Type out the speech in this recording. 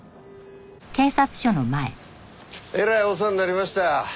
えらいお世話になりました。